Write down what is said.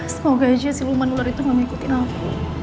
semoga aja siluman ular itu gak mau ikutin aku